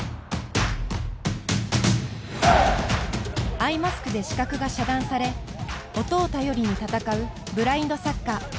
アイマスクで視覚が遮断され音を頼りに戦うブラインドサッカー。